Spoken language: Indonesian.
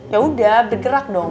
ya udah bergerak dong